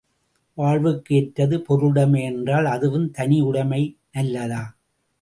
வாழ்வுக்கு ஏற்றது பொருளுடைமை என்றும், அதுவும் தனியுடைமை நல்லதா?